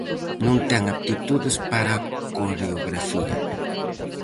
Non ten aptitudes para a coreografía.